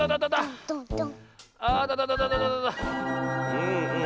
うんうん。